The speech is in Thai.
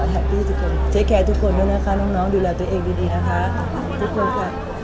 เทคแคร์ทุกคนด้วยนะคะน้องดูแลตัวเองดีนะคะ